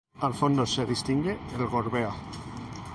Al fondo se distingue el Gorbea.